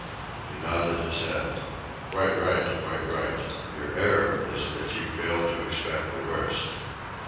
He nodded his head. "Quite right, quite right. Your error is that you failed to expect the worst."